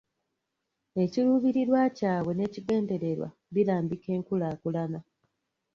Ekiruubirirwa kyabwe n'ekigendererwa birambika enkulaakulana.